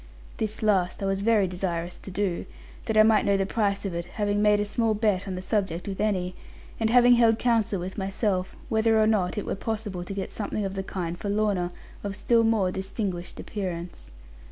This last I was very desirous to do, that I might know the price of it, having made a small bet on the subject with Annie; and having held counsel with myself, whether or not it were possible to get something of the kind for Lorna, of still more distinguished appearance.